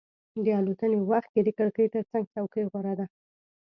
د الوتنې وخت کې د کړکۍ ترڅنګ څوکۍ غوره ده.